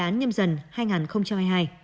nguyên đán nhâm dần hai nghìn hai mươi hai